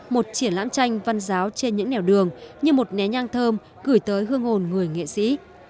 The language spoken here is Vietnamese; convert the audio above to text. một triển lãm tranh văn giáo trên những nẻo đường như một né nhang thơm gửi tới hương hồn người nghệ sĩ